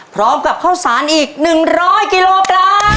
พร้อมกับข้าวสารอีกหนึ่งร้อยกิโลกรัม